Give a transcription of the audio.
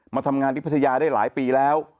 มาทำงานที่พัทยาได้หลายปีแล้ว